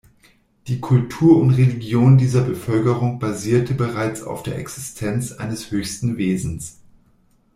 Die Kultur und Religion dieser Bevölkerung basierte bereits auf der Existenz eines höchsten Wesens.